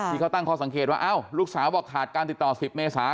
ที่เขาตั้งข้อสังเกตว่าอ้าวลูกสาวบอกขาดการติดต่อ๑๐เมษา